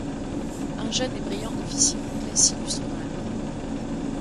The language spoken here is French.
Un jeune et brillant officier anglais s'illustre dans la marine.